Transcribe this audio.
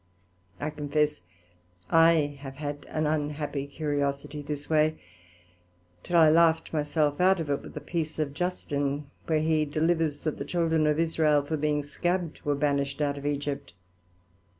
I confess, I have had an unhappy curiosity this way, till I laughed my self out of it with a piece of Justine, where he delivers that the Children of Israel for being scabbed were banished out of Egypt.